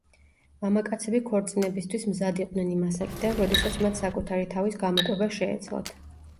მამაკაცები ქორწინებისთვის მზად იყვნენ იმ ასაკიდან, როდესაც მათ საკუთარი თავის გამოკვება შეეძლოთ.